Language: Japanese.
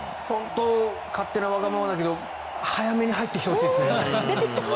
勝手なわがままだけど早めに入ってきてほしいですね。